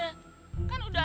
kita mah tenang aja